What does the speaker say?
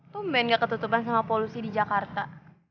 biasanya gak ketutupan sama polusi di jakarta